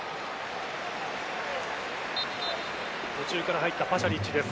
途中から入ったパシャリッチです。